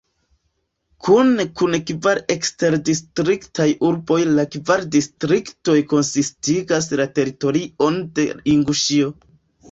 Kune kun kvar eksterdistriktaj urboj la kvar distriktoj konsistigas la teritorion de Inguŝio.